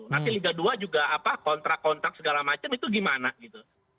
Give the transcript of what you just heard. nanti liga dua juga apa kontrak kontrak segala macam itu gimana gitu